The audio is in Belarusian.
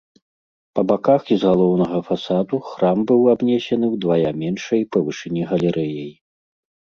Па баках і з галоўнага фасаду храм быў абнесены ўдвая меншай па вышыні галерэяй.